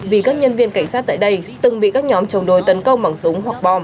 vì các nhân viên cảnh sát tại đây từng bị các nhóm chồng đôi tấn công bằng súng hoặc bom